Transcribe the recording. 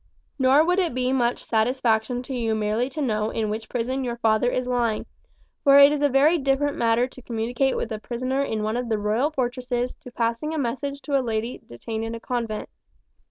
Nor would it be much satisfaction to you merely to know in which prison your father is lying, for it is a very different matter to communicate with a prisoner in one of the royal fortresses to passing a message to a lady detained in a convent.